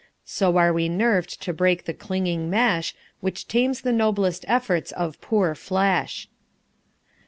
So are we nerved to break the clinging mesh Which tames the noblest efforts of poor flesh.